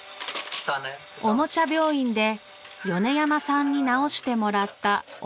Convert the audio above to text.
おもちゃ病院で米山さんに直してもらったおもちゃ。